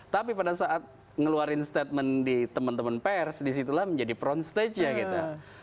tapi pada saat ngeluarin statement di teman teman pers disitulah menjadi front stage nya gitu